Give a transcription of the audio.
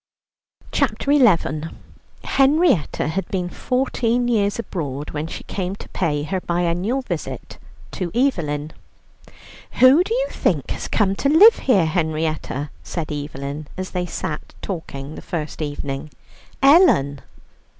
CHAPTER XI Henrietta had been fourteen years abroad, when she came to pay her biennial visit to Evelyn. "Who do you think has come to live here, Henrietta?" said Evelyn, as they sat talking the first evening. "Ellen."